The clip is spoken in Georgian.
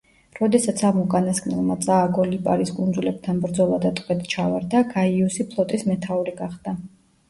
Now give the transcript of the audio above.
როდესაც ამ უკანასკნელმა წააგო ლიპარის კუნძულებთან ბრძოლა და ტყვედ ჩავარდა, გაიუსი ფლოტის მეთაური გახდა.